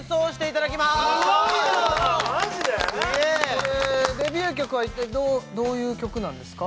これデビュー曲は一体どういう曲なんですか？